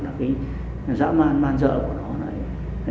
cái dã man man dở của nó